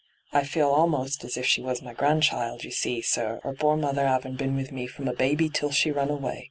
I feel a'most as if she was my grandchild, you see, sir, her pore mother havin' been with me from a baby till she run away.